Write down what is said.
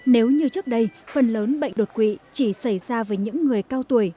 nếu như trước đây phần lớn bệnh đột quỵ chỉ xảy ra với những người cao tuổi